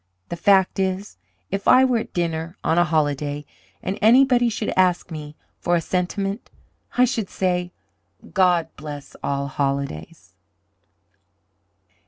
The fact is, if I were at dinner on a holiday, and anybody should ask me for a sentiment, I should say, 'God bless all holidays!'"